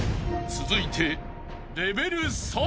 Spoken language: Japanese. ［続いて］